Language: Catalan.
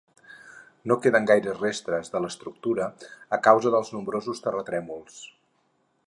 No queden gaires restes de l'estructura a causa dels nombrosos terratrèmols.